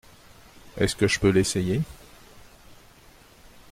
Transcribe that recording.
Est-ce que je peux l’essayer ?